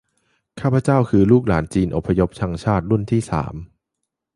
ข้าพเจ้าคือลูกหลานจีนอพยพชังชาติรุ่นที่สาม